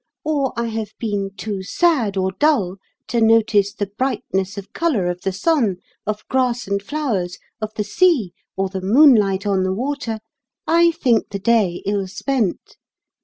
or I have been too sad or dull to notice the brightness of colour of the sun, of grass and flowers, of the sea, or the moonlight on the water, I think the day ill spent.